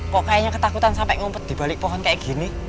kok kayaknya ketakutan sampe ngumpet dibalik pohon kayak gini